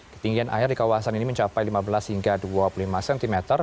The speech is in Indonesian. ketinggian air di kawasan ini mencapai lima belas hingga dua puluh lima cm